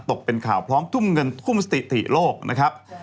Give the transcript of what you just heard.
ตกเป็นข่าวพร้อมทุ่มเงินทุ่มสถิติโลกนะครับ